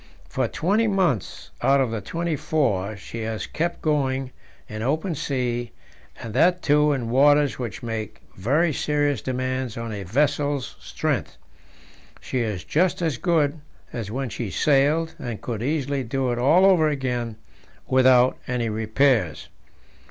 For twenty months out of twenty four she has kept going in open sea, and that, too, in waters which make very serious demands on a vessel's strength. She is just as good as when she sailed, and could easily do it all over again without any repairs.